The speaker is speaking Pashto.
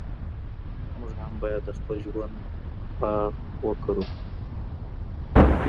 موږ هم باید د خپل ژوند باغ وکرون.